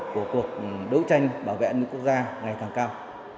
của cuộc đấu tranh bảo vệ an ninh quốc gia ngày càng cao